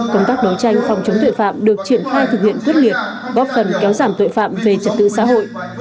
công tác đấu tranh phòng chống tội phạm được triển khai thực hiện quyết liệt góp phần kéo giảm tội phạm về trật tự xã hội